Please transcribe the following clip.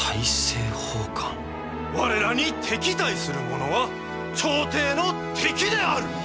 我らに敵対するものは朝廷の敵である！